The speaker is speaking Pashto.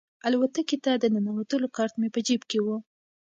الوتکې ته د ننوتلو کارت مې په جیب کې و.